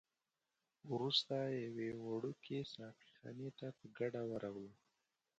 وروسته یوې وړوکي ساقي خانې ته په ګډه ورغلو.